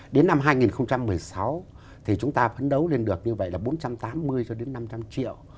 đến năm hai nghìn một mươi sáu thì chúng ta phấn đấu lên được như vậy là bốn trăm tám mươi cho đến năm trăm linh triệu